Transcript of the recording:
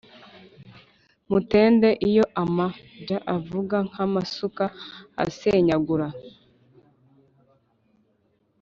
mutende iyo ama bya avuga nk'a masuka asenyagura